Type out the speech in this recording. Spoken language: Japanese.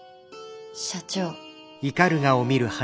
社長。